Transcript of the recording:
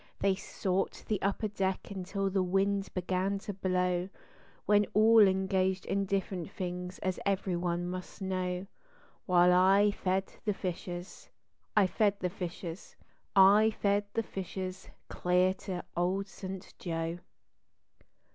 They sought the upper deck until the wind began to blow, When all engaged in different things as every one must know; While I fed the fishes, I fed the fishes, I fed the fishes clear to Old St. Joe.